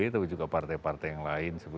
tapi juga partai partai yang lain